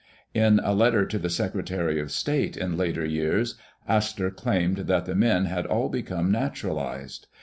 In a letter to the secretary of state in later years Astor claimed that the men had all become naturalized.